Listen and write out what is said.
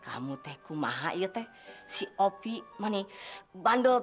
aduh masih ade